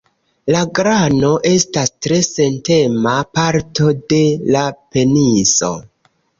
La glano estas tre sentema parto de la peniso.